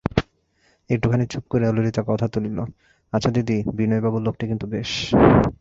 একটুখানি চুপ করিয়া ললিতা কথা তুলিল, আচ্ছা দিদি, বিনয়বাবু লোকটি কিন্তু বেশ।